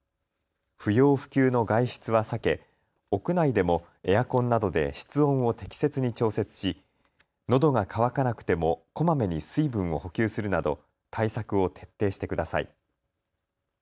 不要不急の外出は避け屋内でもエアコンなどで室温を適切に調節しのどが渇かなくてもこまめに水分を補給するなど対策を徹底してください。